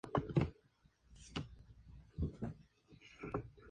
Todos los intentos de llamar a un especialista son vanos.